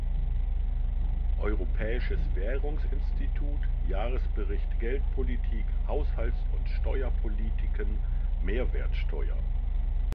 Europäisches Währungsinstitut Jahresbericht Geldpolitik Haushalts- und Steuerpolitiken Mehrwertsteuer.